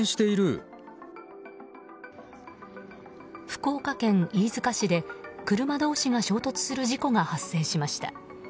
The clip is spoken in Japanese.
福岡県飯塚市で、車同士が衝突する事故が発生しました。